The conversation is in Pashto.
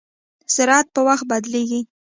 سرعت په وخت بدلېږي.